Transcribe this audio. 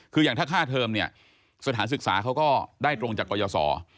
คืออย่างถ้าค่าเทอมเนี่ยสถานศึกษาเขาก็ได้ตรงจากกรยศ